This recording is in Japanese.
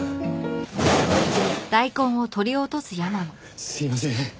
ハハすいません。